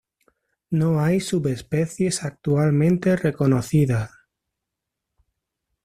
No hay subespecies actualmente reconocidas.